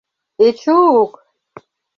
Эч-ук?!